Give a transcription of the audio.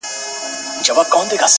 چي طوطي ګنجي ته وکتل ګویا سو،